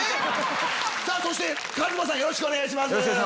そして壱馬さんよろしくお願いします。